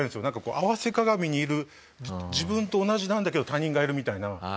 なんかこう合わせ鏡にいる自分と同じなんだけど他人がいるみたいな。